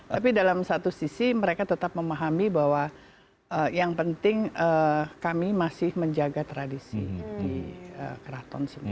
tapi dalam satu sisi mereka tetap memahami bahwa yang penting kami masih menjaga tradisi di keraton sendiri